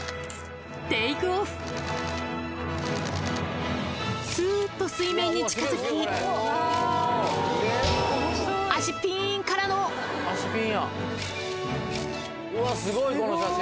テイクオフスっと水面に近づき足ピンからのうわすごいこの写真。